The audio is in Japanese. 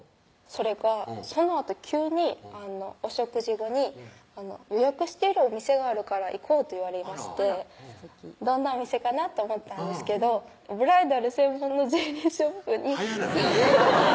それがそのあと急にお食事後に「予約しているお店があるから行こう」と言われましてどんなお店かなと思ったんですけどブライダル専門のジュエリーショップに早ない？